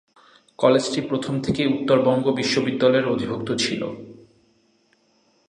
কলেজটি প্রথম থেকেই উত্তরবঙ্গ বিশ্ববিদ্যালয়ের অধিভুক্ত ছিল।